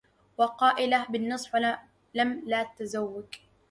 وقائلة بالنصح لم لا تزوج